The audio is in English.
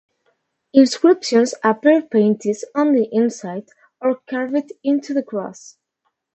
Inscriptions appear painted on the inside or carved into the cross.